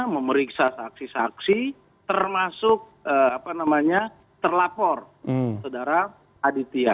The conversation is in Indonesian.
memeriksa saksi saksi termasuk terlapor saudara aditya